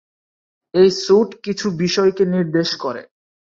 এই স্যুট কিছু বিষয়কে নির্দেশ করে।